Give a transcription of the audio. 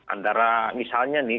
antara misalnya nih